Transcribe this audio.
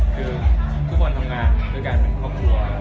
คือทุกคนทำงานเหมือนกลางเป็นพ่อคัว